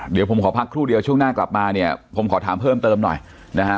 เดี๋ยวผมขอพักครู่เดียวช่วงหน้ากลับมาเนี่ยผมขอถามเพิ่มเติมหน่อยนะฮะ